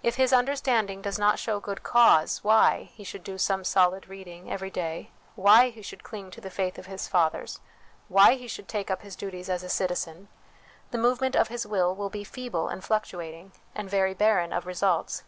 If his understanding does not show good cause why he should do some solid reading every day, why he should cling to the faith of his fathers, why he should take up his duties as a citizen, the movement of his will will be feeble and fluctuating, and very barren of results.